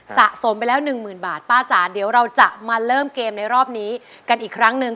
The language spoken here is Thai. สะสมไปแล้วหนึ่งหมื่นบาทป้าจ๋าเดี๋ยวเราจะมาเริ่มเกมในรอบนี้กันอีกครั้งหนึ่ง